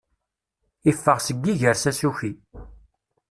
Iffeɣ seg iger s asuki.